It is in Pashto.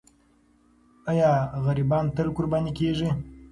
آیا غریبان تل قرباني کېږي؟